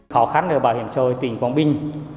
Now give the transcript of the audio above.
khó khăn bảo hiểm trôi tỉnh quảng bình